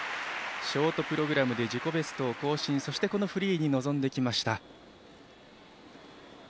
ショートプログラムで自己ベストを更新そして、このフリーに臨んできました。